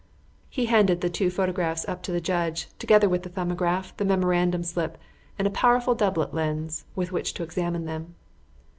He handed the two photographs up to the judge, together with the 'Thumbograph,' the memorandum slip, and a powerful doublet lens with which to examine them.